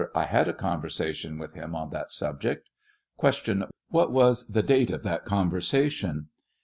I had a conversation with him on that subject. Q. What was the date of that conversation